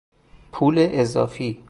پول اضافی